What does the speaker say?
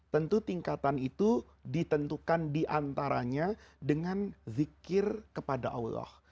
tentu tingkatan itu ditentukan diantaranya dengan zikir kepada allah